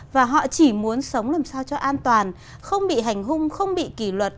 và họ chỉ muốn sống làm sao cho an toàn không bị hành hung không bị kỷ luật